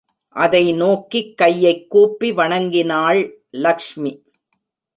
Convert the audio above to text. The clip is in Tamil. அதை நோக்கிக் கையைக் கூப்பி வணங்கினாள் லக்ஷ்மி.